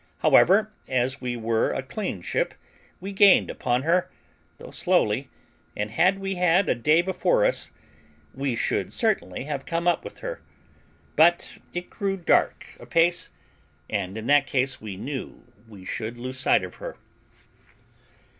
However, as we were a clean ship, we gained upon her, though slowly, and had we had a day before us, we should certainly have come up with her; but it grew dark apace, and in that case we knew we should lose sight of her.